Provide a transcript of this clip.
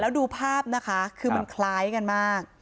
แล้วดูภาพนะคะคือมันคล้ายกันมาก